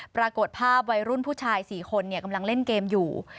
ปรากฏภาพวัยรุ่นผู้ชาย๔คนกำลังเล่นเกมอยู่